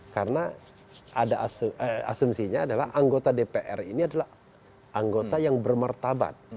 karena ada asumsinya adalah anggota dpr ini adalah anggota yang bermartabat